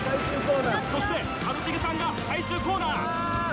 そして一茂さんが最終コーナー。